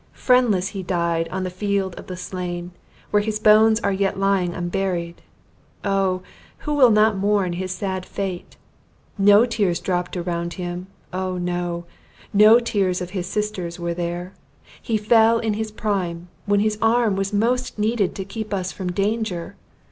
Friendless he died on the field of the slain, where his bones are yet lying unburied! Oh, who will not mourn his sad fate? No tears dropped around him; oh, no! No tears of his sisters were there! He fell in his prime, when his arm was most needed to keep us from danger!